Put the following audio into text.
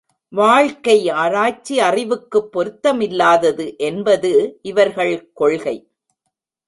வாழ்க்கை ஆராய்ச்சி அறிவுக்குப் பொருத்தமில்லாதது என்பது இவர்கள் கொள்கை.